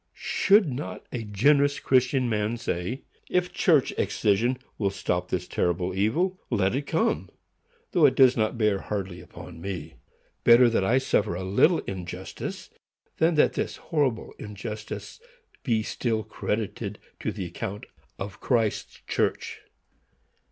Should not a generous Christian man say, "If church excision will stop this terrible evil, let it come, though it does bear hardly upon me! Better that I suffer a little injustice than that this horrible injustice be still credited to the account of Christ's church.